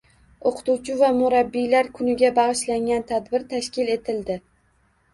O‘qituvchi va murabbiylar kuniga bag‘ishlangan tadbir tashkil etildi